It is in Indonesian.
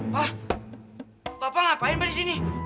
pak papa ngapain pak disini